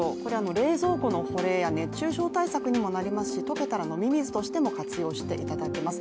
冷蔵庫の保冷や熱中症対策にもなりますし、溶けたら飲み水としても活用していただけます。